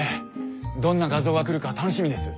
どんな画像が来るか楽しみです。